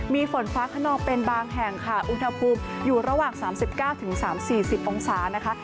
มีฝนฟ้าขนองเป็นบางแห่งค่ะอุณหภูมิอยู่ระหว่าง๓๙๓๔๐องศานะคะ